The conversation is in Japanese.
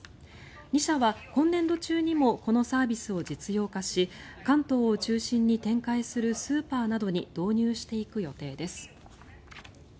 ２社は今年度中にもこのサービスを実用化し関東を中心に展開するスーパーなどに導入していく予定です。